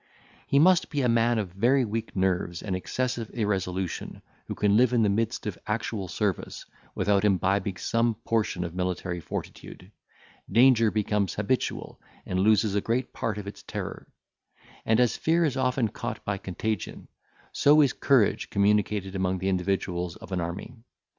He must be a man of very weak nerves and excessive irresolution, who can live in the midst of actual service, without imbibing some portion of military fortitude: danger becomes habitual, and loses a great part of its terror; and as fear is often caught by contagion, so is courage communicated among the individuals of an army.